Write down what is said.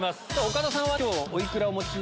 岡田さんは今日。